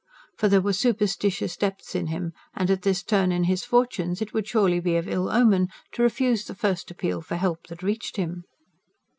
For there were superstitious depths in him; and, at this turn in his fortunes, it would surely be of ill omen to refuse the first appeal for help that reached him.